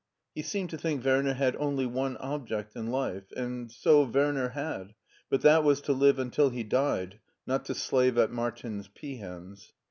He seemed to think Werner had only one object in life, and so Werner had ; but that was to live until he died, not to slave at Martin's peahens.